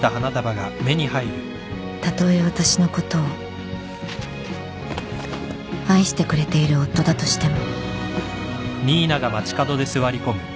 たとえ私のことを愛してくれている夫だとしても